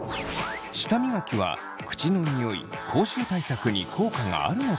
舌磨きは口のニオイ口臭対策に効果があるのか？